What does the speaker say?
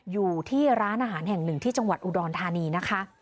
อยู่ที่ร้านอาหารแห่งหนึ่งที่จังหวัดอุดรธานีนะคะ